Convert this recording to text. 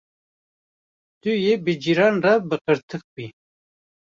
Tu yê bi cîran re bi qirtiq bî.